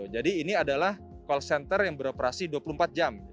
jadi ini adalah call center yang beroperasi dua puluh empat jam